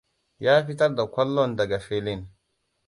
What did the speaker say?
Ya fitar da kwallon daga filin.